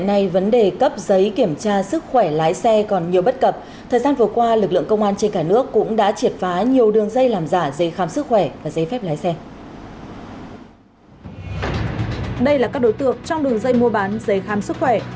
đây là các đối tượng trong đường dây mua bán giấy khám sức khỏe